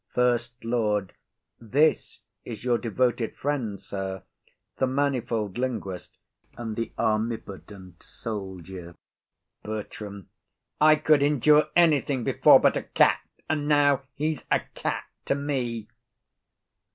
SECOND LORD. This is your devoted friend, sir, the manifold linguist, and the armipotent soldier. BERTRAM. I could endure anything before but a cat, and now he's a cat to me.